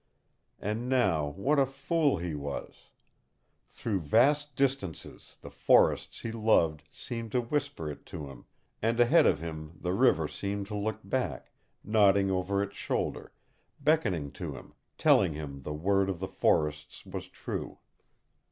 And now, what a fool he was! Through vast distances the forests he loved seemed to whisper it to him, and ahead of him the river seemed to look back, nodding over its shoulder, beckoning to him, telling him the word of the forests was true.